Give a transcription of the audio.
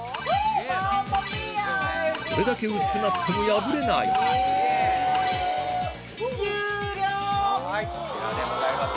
これだけ薄くなっても破れないこちらでございます。